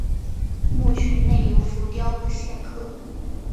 墓群内有浮雕和线刻。